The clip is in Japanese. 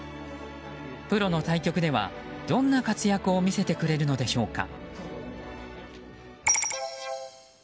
プロの対局では、どんな活躍を見せてくれるのでしょうか。